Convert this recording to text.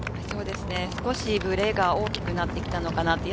少しブレが大きくなってきたのかなと。